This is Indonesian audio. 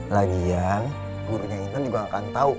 lagian gurunya intan juga akan tau